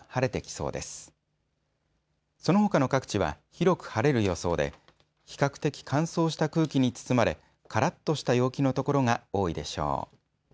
そのほかの各地は広く晴れる予想で比較的乾燥した空気に包まれカラッとした陽気のところが多いでしょう。